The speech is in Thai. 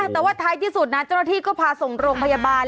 แต่ว่าท้ายที่สุดนะเจ้าหน้าที่ก็พาส่งโรงพยาบาล